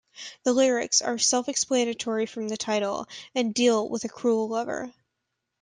The lyrics are self-explanatory from the title, and deal with a cruel lover.